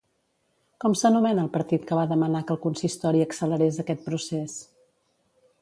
Com s'anomena el partit que va demanar que el consistori accelerés aquest procés?